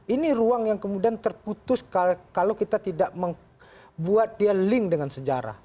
ini ruang yang kemudian terputus kalau kita tidak membuat dia link dengan sejarah